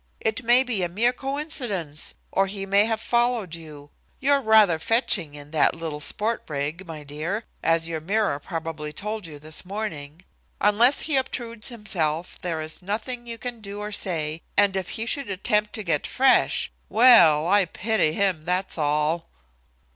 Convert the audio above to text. It may be a mere coincidence, or he may have followed you. You're rather fetching in that little sport rig, my dear, as your mirror probably told you this morning. Unless he obtrudes himself there is nothing you can do or say, and if he should attempt to get fresh well, I pity him, that's all."